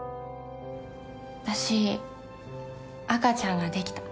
私赤ちゃんができた。